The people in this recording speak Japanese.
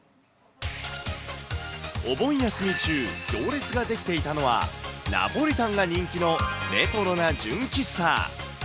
お盆休み中、行列が出来ていたのは、ナポリタンが人気のレトロな純喫茶。